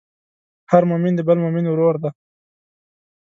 هر مؤمن د بل مؤمن ورور دی.